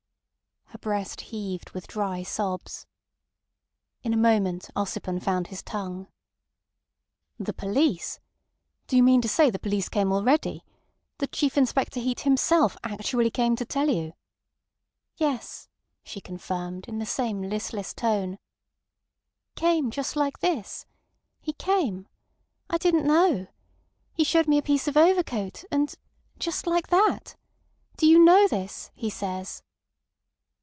Her breast heaved with dry sobs. In a moment Ossipon found his tongue. "The police! Do you mean to say the police came already? That Chief Inspector Heat himself actually came to tell you." "Yes," she confirmed in the same listless tone. "He came just like this. He came. I didn't know. He showed me a piece of overcoat, and—just like that. Do you know this? he says."